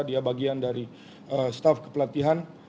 dia bagian dari staff kepelatihan